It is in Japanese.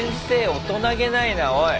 大人気ないなおい。